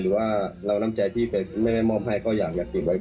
หรือว่าเราน้ำใจที่แฟคแม่แม่มอบให้ก็อยากเก็บไว้ก่อน